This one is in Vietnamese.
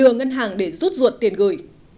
ngân hàng để rút ruột tiền gửi